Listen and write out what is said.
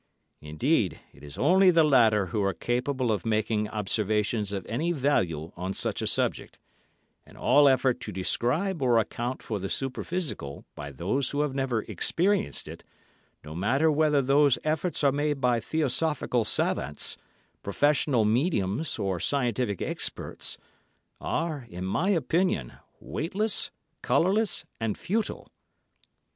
Indeed, it is only the latter who are capable of making observations of any value on such a subject, and all effort to describe or account for the superphysical by those who have never experienced it, no matter whether those efforts are made by theosophical savants, professional mediums or scientific experts, are, in my opinion, weightless, colourless and futile.